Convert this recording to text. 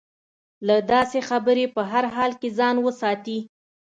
له داسې خبرې په هر حال کې ځان وساتي.